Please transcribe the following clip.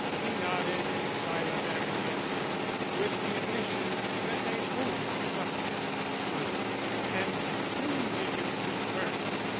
He nodded in silent acquiescence with the admission that they owed something to Crewe. "And whom did you see first?"